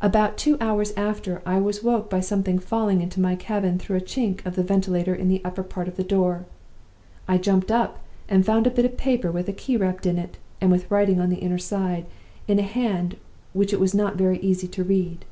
About two hours after, I was woke by something falling into my cabin through a chink of the ventilator in the upper part of the door. I jumped up, and found a bit of paper with a key wrapped in it, and with writing on the inner side, in a hand which it was not very easy to read.